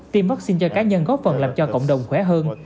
tiêm vaccine cho cá nhân góp phần làm cho cộng đồng khỏe hơn